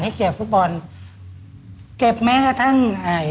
ให้เก็บภูมิบอลเก็บแม้กระทั่ง